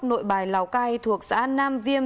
nội bài lào cai thuộc xã nam diêm